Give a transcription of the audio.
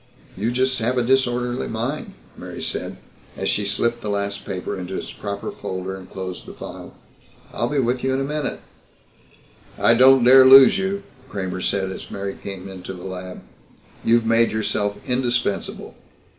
"You just have a disorderly mind," Mary said, as she slipped the last paper into its proper folder and closed the file. "I'll be with you in a minute." "I don't dare lose you," Kramer said as Mary came into the lab. "You've made yourself indispensable.